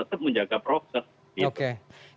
tetap menjaga proses